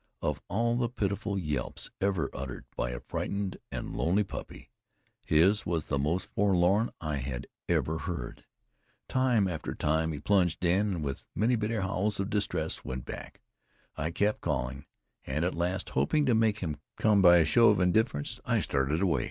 Of all the pitiful yelps ever uttered by a frightened and lonely puppy, his were the most forlorn I had ever heard. Time after time he plunged in, and with many bitter howls of distress, went back. I kept calling, and at last, hoping to make him come by a show of indifference, I started away.